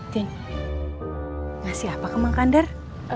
tin ngasih apa ke bang kandar